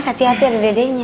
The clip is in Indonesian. hati hati ada dedeknya